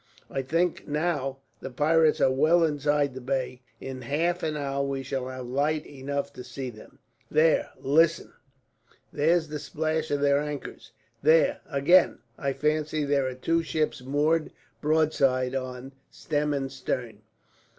I think, now, the pirates are well inside the bay. In half an hour we shall have light enough to see them. "There, listen! There's the splash of their anchors. There, again! I fancy there are two ships moored broadside on, stem and stern."